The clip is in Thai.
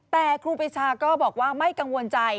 แต่ครูปีชาก็บอกว่าไม่กังวลใจ